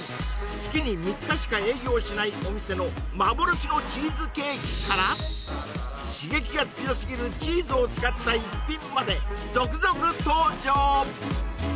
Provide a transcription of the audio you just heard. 月に３日しか営業しないお店の幻のチーズケーキから刺激が強すぎるチーズを使った逸品まで続々登場！